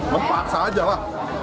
mempaksa aja lah